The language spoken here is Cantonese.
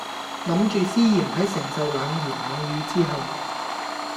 諗住思賢喺承受冷言冷語之後